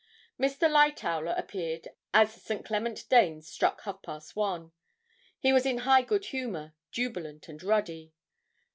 Mr. Lightowler appeared as St. Clement Danes struck half past one; he was in high good humour, jubilant, and ruddy.